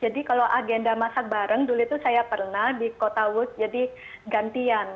jadi kalau agenda masak bareng dulu itu saya pernah di kota woods jadi gantian